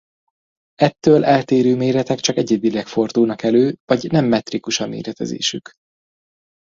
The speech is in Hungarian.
Ettől eltérő méretek csak egyedileg fordulnak elő vagy nem metrikus a méretezésük.